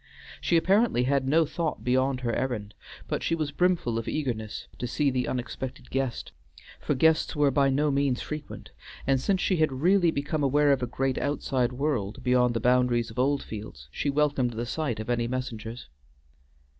She apparently had no thought beyond her errand, but she was brimful of eagerness to see the unexpected guest; for guests were by no means frequent, and since she had really become aware of a great outside world beyond the boundaries of Oldfields she welcomed the sight of any messengers.